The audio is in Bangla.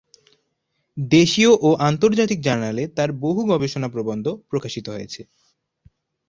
দেশীয় ও আন্তর্জাতিক জার্নালে তার বহু গবেষণা প্রবন্ধ প্রকাশিত হয়েছে।